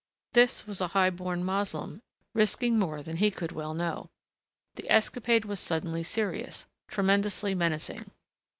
This was a high born Moslem, risking more than he could well know. The escapade was suddenly serious, tremendously menacing.